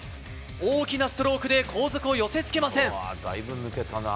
大きなストロークで後続を寄せ付けません。